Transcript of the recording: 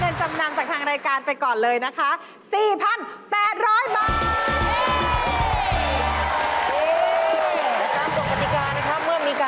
เห็นราคานี้แล้วเป็นยังไงบ้างคะ